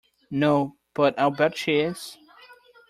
No, but I'll bet she is.